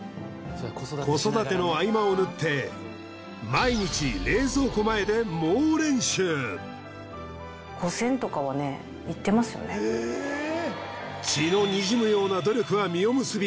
子育ての合間を縫って毎日血のにじむような努力は実を結び